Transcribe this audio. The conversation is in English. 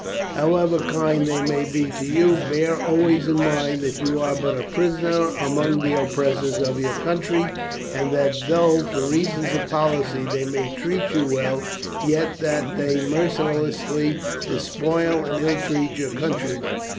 "However kind they may be to you, bear always in mind that you are but a prisoner among the oppressors of your country, and that though, for reasons of policy, they may treat you well, yet that they mercilessly despoil and ill treat your countrymen.